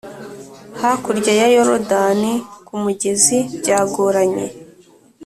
Hakurya ya Yorodani kumugezi byagoranye